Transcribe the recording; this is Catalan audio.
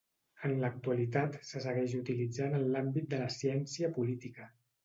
En l'actualitat se segueix utilitzant en l'àmbit de la ciència política.